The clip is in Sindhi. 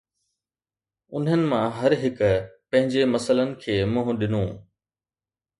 انهن مان هر هڪ پنهنجي مسئلن کي منهن ڏنو.